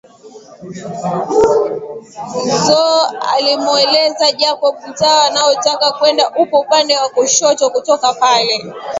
Zo alimueleza Jacob mtaa anaotaka kwenda upo upande wa kushoto kutoka pale